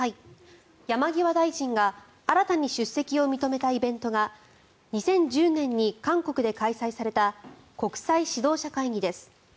山際大臣が新たに出席を認めたイベントが２０１０年に韓国で開催された国際指導者会議です。